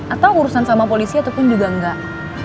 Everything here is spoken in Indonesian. atau urusan sama polisi ataupun juga enggak